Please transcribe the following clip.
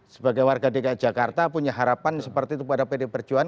sebagai warga dki jakarta punya harapan seperti itu pada pd perjuangan